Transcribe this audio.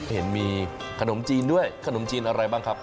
เห็นมีขนมจีนด้วยขนมจีนอะไรบ้างครับ